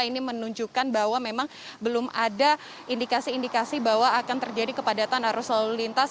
ini menunjukkan bahwa memang belum ada indikasi indikasi bahwa akan terjadi kepadatan arus lalu lintas